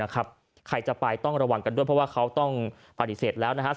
ใครจะไปต้องระวังกันด้วยเพราะว่าเขาต้องปฏิเสธแล้วนะครับ